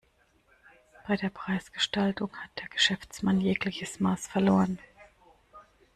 Bei der Preisgestaltung hat der Geschäftsmann jegliches Maß verloren.